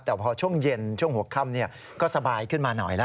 แต่พอช่วงเย็นช่วงหัวค่ำก็สบายขึ้นมาหน่อยแล้ว